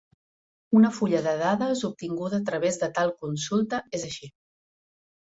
Una fulla de dades obtinguda a través de tal consulta és així.